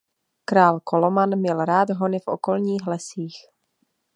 Král Koloman měl rád hony v okolních lesích.